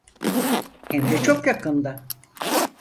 Hem de çok yakında.